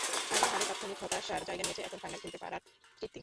Final হারের তাৎক্ষণিক হতাশার জায়গা নিয়েছে এখন ফাইনাল খেলতে পারার তৃপ্তি।